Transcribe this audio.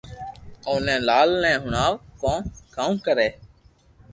اوني لال ني ھڻاو ڪو ڪاوُ ڪري